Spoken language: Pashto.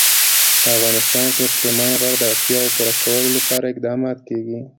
په افغانستان کې د سلیمان غر د اړتیاوو پوره کولو لپاره اقدامات کېږي.